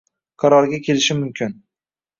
qarorga kelishi mumkin.